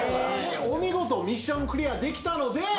お見事ミッションクリアできたので。